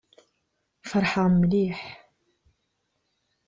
Feṛḥeɣ mliḥ.